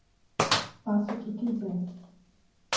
Faça o que quiser.